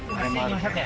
１，０００円。